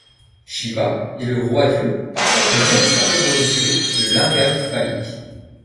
Shiva et le roi-dieu partagent le même symbole religieux, le lingam phallique.